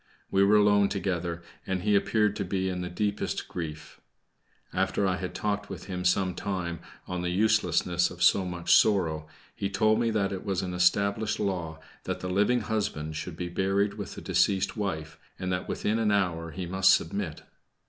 We were alone together, and he appeared to be in the deepest grief. After I had talked with him some time on the uselessness of so much sorrow, he told me that it was an established law that the living husband should be buried with the deceased wife, and that within an hour he must submit.